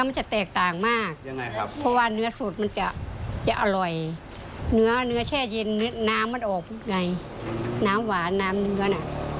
มันแตกต่างจากที่อื่น